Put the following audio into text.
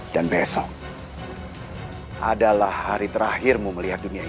dan besok adalah hari terakhirmu melihat dunia ini